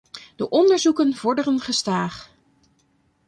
De onderzoeken vorderen gestaag.